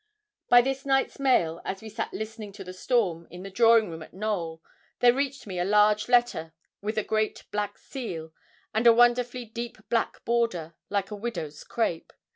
By this night's mail, as we sat listening to the storm, in the drawing room at Knowl, there reached me a large letter with a great black seal, and a wonderfully deep black border, like a widow's crape.